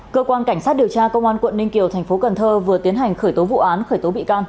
cơ quan cảnh sát điều tra công an quận ninh kiều tp cn vừa tiến hành khởi tố vụ án khởi tố bị can